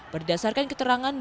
berdasarkan keterangan dprk